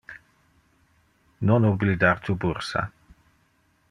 Non oblidar tu bursa.